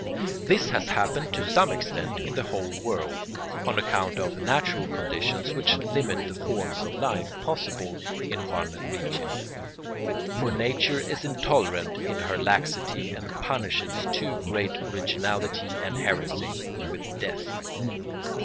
] This has happened to some extent in the whole world, on account of natural conditions which limit the forms of life possible in one region; for nature is intolerant in her laxity and punishes too great originality and heresy with death.